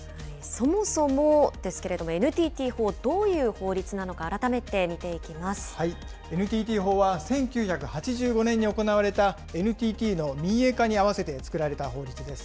そもそもですけれども、ＮＴＴ法、どういう法律なのか改めてＮＴＴ法は１９８５年に行われたＮＴＴの民営化に合わせて作られた法律です。